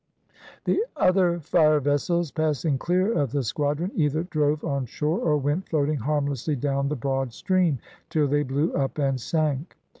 The other fire vessels passing clear of the squadron, either drove on shore or went floating harmlessly down the broad stream, till they blew up and sank.